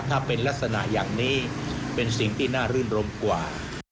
ถ้าเป็นลักษณะอย่างนี้เป็นสิ่งที่น่ารื่นรมกว่า